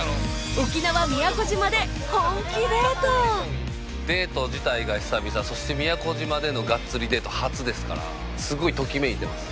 沖縄宮古島で本気デートそして宮古島でのがっつりデート初ですからすごいときめいてます